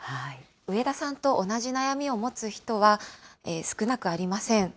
上田さんと同じ悩みを持つ人は、少なくありません。